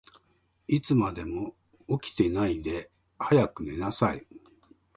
いつまでも起きてないで、早く寝なさい。